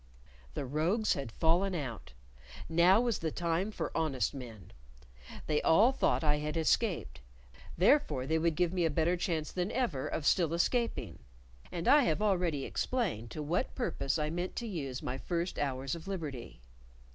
The rogues had fallen out; now was the time for honest men. They all thought I had escaped; therefore they would give me a better chance than ever of still escaping; and I have already explained to what purpose I meant to use my first hours of liberty.